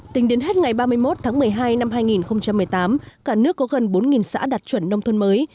tính đến hết ngày ba mươi một tháng một mươi hai năm hai nghìn một mươi tám cả nước có gần bốn xã đạt chuẩn nông thôn mới